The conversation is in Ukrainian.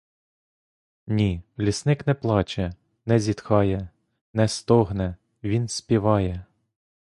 Ні, лісник не плаче, не зітхає, не стогне, — він співає.